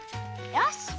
よし！